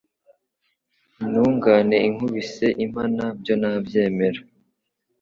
Intungane inkubise impana byo nabyemera